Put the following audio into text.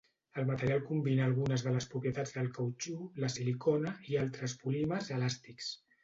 El material combina algunes de les propietats del cautxú, la silicona, i altres polímers elàstics.